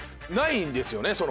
ないんですよね。